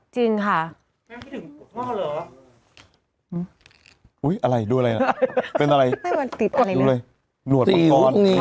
จริงค่ะแม่ไม่ถึงปลอดภัณฑ์เหรออุ้ยอะไรดูอะไรเป็นอะไรมันติดอะไรเนี่ย